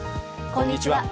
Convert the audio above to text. こんにちは。